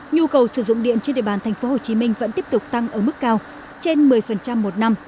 nhu cầu sử dụng điện trên địa bàn tp hcm vẫn tiếp tục tăng ở mức cao trên một mươi một năm